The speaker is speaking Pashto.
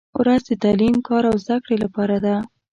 • ورځ د تعلیم، کار او زدهکړې لپاره ده.